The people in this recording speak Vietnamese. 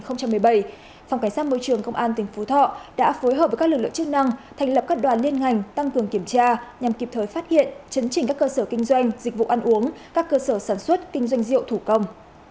phòng cảnh sát môi trường công an tỉnh phú thọ đã phối hợp với các lực lượng chức năng thành lập các đoàn liên ngành tăng cường kiểm tra nhằm kịp thời phát hiện chấn chỉnh các cơ sở kinh doanh dịch vụ ăn uống các cơ sở sản xuất kinh doanh rượu thủ công